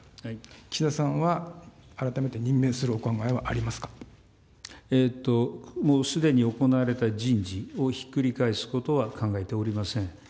岸田さんは、改めて任命するお考もうすでに行われた人事をひっくり返すことは考えておりません。